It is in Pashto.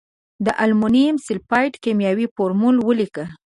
د المونیم سلفیټ کیمیاوي فورمول ولیکئ.